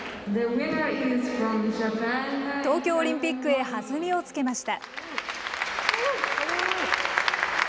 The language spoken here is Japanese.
東京オリンピックへ弾みをつけました。